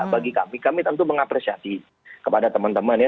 bagi kami kami tentu mengapresiasi kepada teman teman ya